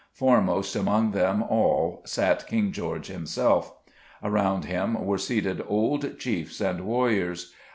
Foremost among them all sat King George himself. Around him were seated old chiefs and warriors.